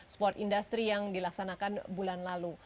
sport industry yang dilaksanakan bulan lalu